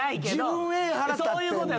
そういうことや。